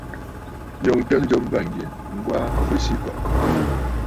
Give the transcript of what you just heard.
Ǹyòŋtə njɨm bàŋgyɛ̀, Ŋ̀gwaa Besǐkɔ̀ʼɔ̀.